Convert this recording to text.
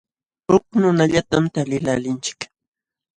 Huk nunallatam taliqlaalinchik.